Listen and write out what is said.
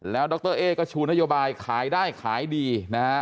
แล้วดรเอ๊ก็ชูนโยบายขายได้ขายดีนะฮะ